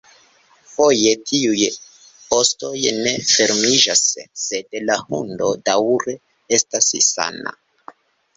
Foje tiuj ostoj ne fermiĝas, sed la hundo daŭre estas sana.